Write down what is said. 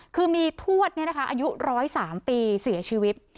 คือมีทวดอายุ๑๐๓ปีเสียชีวิต